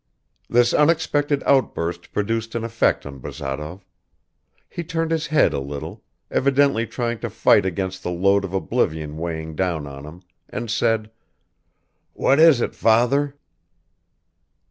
This unexpected outburst produced an effect on Bazarov ... He turned his head a little, evidently trying to fight against the load of oblivion weighing down on him, and said, "What is it, father?"